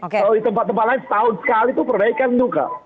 kalau di tempat tempat lain setahun sekali itu perbaikan juga